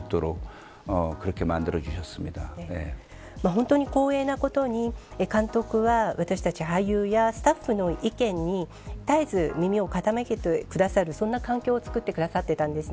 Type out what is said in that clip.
本当に光栄なことに監督は私たち俳優やスタッフの意見に絶えず耳を傾けてくださるそんな環境を作ってくださっていたんです。